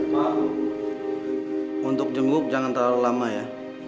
pak untuk jenguk jangan terlalu lama ya